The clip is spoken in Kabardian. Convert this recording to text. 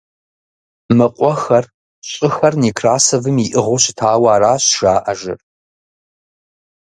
Мы къуэхэр, щӀыхэр Некрасовым иӀыгъыу щытауэ аращ жаӀэжыр.